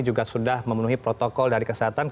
juga sudah memenuhi protokol dari kesehatan